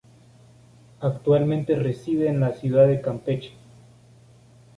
Actualmente reside en la ciudad de Campeche.